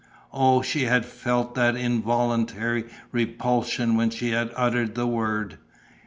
Oh, she had felt that involuntary repulsion when she had uttered the word!